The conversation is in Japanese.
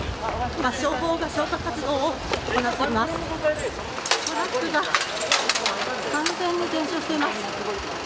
消防が消火活動を行っています。